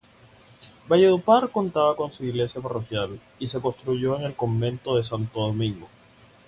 Valledupar contaba con su iglesia parroquial y se construyó el Convento de Santo Domingo.